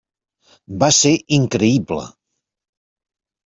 Va ser increïble.